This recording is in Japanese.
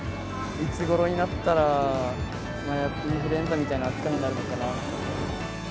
いつごろになったらインフルエンザみたいな扱いになるのかな。